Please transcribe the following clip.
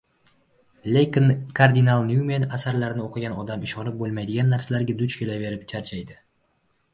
Lekin Kardinal Nyumen asarlarini o‘qigan odam ishonib bo‘lmaydigan narsalarga duch kelaverib charchaydi.